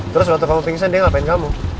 terus waktu kamu pingsan dia ngapain kamu